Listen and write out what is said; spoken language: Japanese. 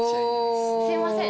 おぉすいません